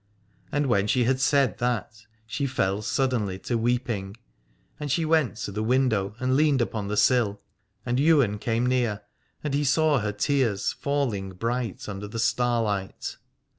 And when she had said that she fell suddenly to weeping. And she went to the window and leaned upon the sill, and Ywain came near, and he saw her tears falling bright under the starlight.